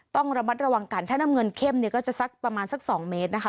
ต้องระมัดระวังกันถ้าน้ำเงินเข้มเนี่ยก็จะสักประมาณสัก๒เมตรนะคะ